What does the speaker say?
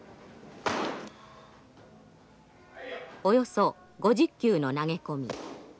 およそ５０球の投げ込み。